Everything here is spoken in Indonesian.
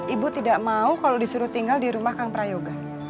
ibu tidak mau kalau disuruh tinggal di rumah kang prayoga